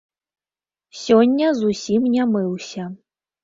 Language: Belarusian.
Сёння зусім не мыўся.